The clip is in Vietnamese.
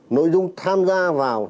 nội dung tham gia vào